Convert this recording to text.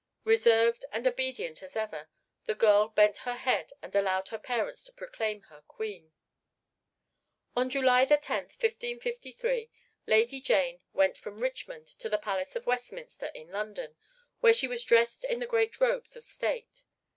Reserved and obedient as ever, the girl bent her head and allowed her parents to proclaim her Queen. On July 10, 1553, Lady Jane went from Richmond to the Palace of Westminster in London, where she was dressed in the great robes of state.